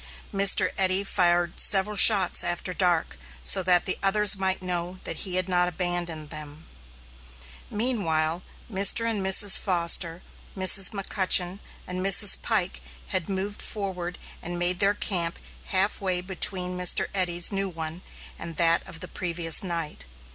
Mr. Eddy fired several shots after dark, so that the others might know that he had not abandoned them. Meanwhile, Mr. and Mrs. Foster, Mrs. McCutchen, and Mrs. Pike had moved forward and made their camp half way between Mr. Eddy's new one and that of the previous night.